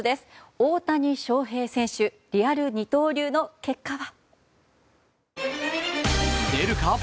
大谷翔平選手、リアル二刀流の結果は？